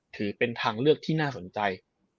ถือเป็นทางเลือกที่น่าสนใจ